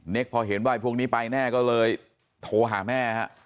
พอเห็นว่าพวกนี้ไปแน่ก็เลยโทรหาแม่ฮะ